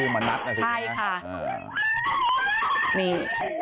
มี